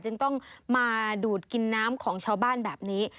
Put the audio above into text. จึงต้องมาดูดกินน้ำของชาวบ้านแบบนี้